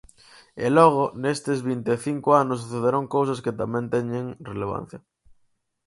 E logo, nestes vinte e cinco anos sucederon cousas que tamén teñen relevancia.